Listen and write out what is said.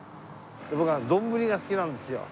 僕は丼が好きなんですよ。